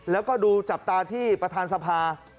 แล้วก็ดูจับตาที่ประธานสภา